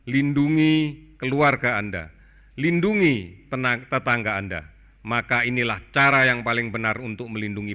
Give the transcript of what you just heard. lindungi keluarga anda lindungi tetangga anda maka inilah cara yang paling benar untuk melindungi